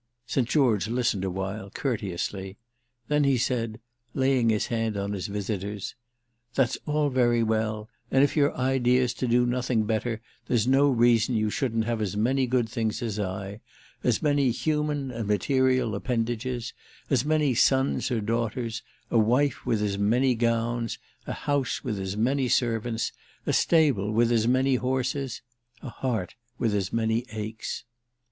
St. George listened a while, courteously; then he said, laying his hand on his visitor's: "That's all very well; and if your idea's to do nothing better there's no reason you shouldn't have as many good things as I—as many human and material appendages, as many sons or daughters, a wife with as many gowns, a house with as many servants, a stable with as many horses, a heart with as many aches."